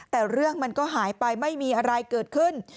แต่เรื่องมันก็หายไปไม่มีอะไรเกิดขึ้น